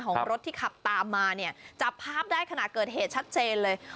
ของรถที่ขับตามมาเนี่ยจับภาพได้ขณะเกิดเหตุชัดเจนเลย